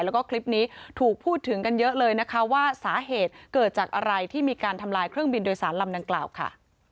แล้วก็คลิปนี้ถูกพูดถึงกันเยอะเลยนะคะว่าสาเหตุเกิดจากอะไรที่มีการทำลายเครื่องบินโดยสารลำดังกล่าวค่ะ